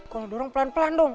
kalau dorong pelan pelan dong